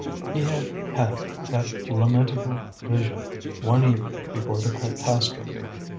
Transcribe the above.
He had had that lamentable vision one evening before the catastrophe.